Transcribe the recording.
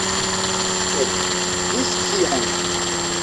Sed ĝis kiam?